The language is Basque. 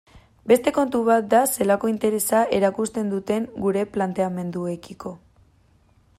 Beste kontu bat da zelako interesa erakusten duten gure planteamenduekiko.